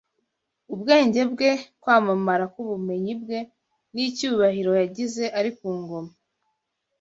Ubwenge bwe, kwamamara k’ubumenyi bwe n’icyubahiro yagize ari ku ngoma